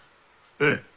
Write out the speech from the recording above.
ええ。